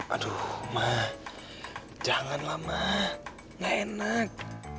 aduh ma janganlah ma enggak enak